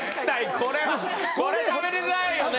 これはこれしゃべりづらいよね。